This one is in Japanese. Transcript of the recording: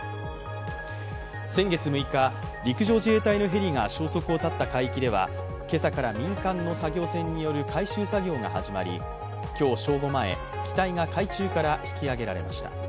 先月６日、陸上自衛隊のヘリが消息を絶った海域ではけさから民間の作業船による回収作業が始まり、今日正午前、機体が海中から引き揚げられました。